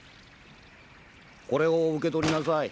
これを受け取りなさい。